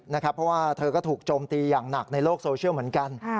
เพราะว่าเธอก็ถูกโจมตีอย่างหนักในโลกโซเชียลเหมือนกัน